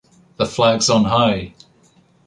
The flags on high!